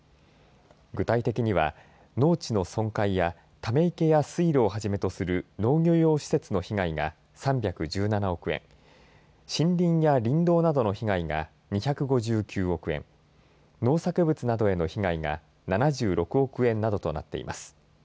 具体的には農地の損壊やため池や水路をはじめとする農業用施設の被害が３１７億円、森林や林道などの被害が２５９億円、農作物などへの被害が７６億円などとなっています。